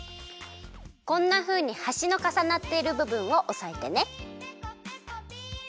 こんなふうにはしのかさなっているぶぶんをおさえてね。